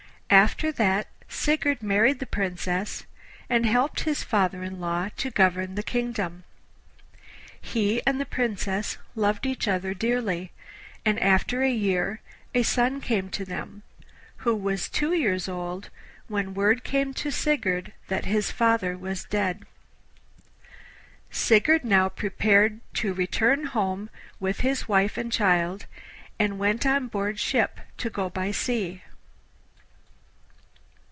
After that Sigurd married the Princess, and helped his father in law to govern the kingdom. He and the Princess loved each other dearly, and after a year a son came to them, who was two years old when word came to Sigurd that his father was dead. Sigurd now prepared to return home with his wife and child, and went on board ship to go by sea.